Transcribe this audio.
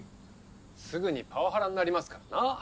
すぐにパワハラになりますからな。